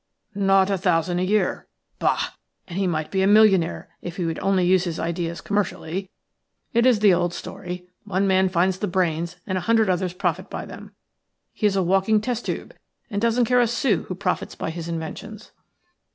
"Not a thousand a year. Bah! and he might be a millionaire if he would only use his ideas commercially. It is the old story – one man finds the brains and a hundred others profit by them. He is a walking test tube, and doesn't care a sou who profits by his inventions."